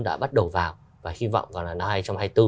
đã bắt đầu vào và hy vọng vào năm hai nghìn hai mươi bốn